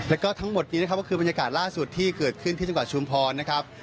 แล้วก็ทั้งหมดนี้นะครับก็คือบรรยากาศล่าสุดที่เกิดขึ้นที่จังหวัดชุมพรนะครับ